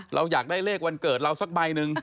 เราอยากได้เลขวันเกิดเราสักใบหนึ่ง